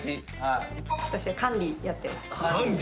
私は管理やってます。